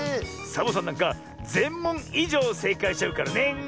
サボさんなんかぜんもんいじょうせいかいしちゃうからね。